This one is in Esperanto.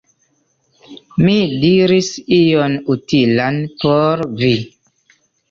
Mi diris ion utilan por vi!